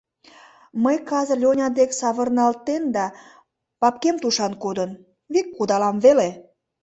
Мый казыр Лёня дек савырналтен да... папкем тушан кодын... вик кудалам веле....